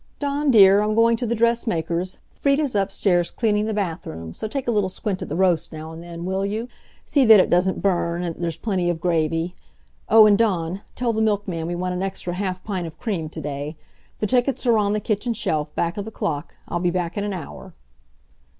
"Dawn dear, I'm going to the dressmaker's. Frieda's upstairs cleaning the bathroom, so take a little squint at the roast now and then, will you? See that it doesn't burn, and that there's plenty of gravy. Oh, and Dawn tell the milkman we want an extra half pint of cream to day. The tickets are on the kitchen shelf, back of the clock. I'll be back in an hour."